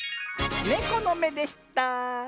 ネコのめでした。